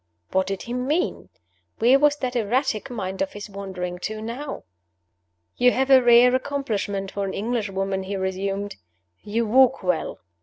What did he mean? Where was that erratic mind of his wandering to now? "You have a rare accomplishment for an Englishwoman," he resumed "you walk well.